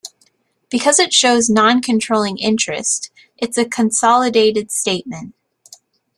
Because it shows Non-Controlling Interest, it's a consolidated statement.